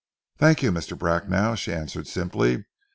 "Thank you, Mr. Bracknell," she answered simply.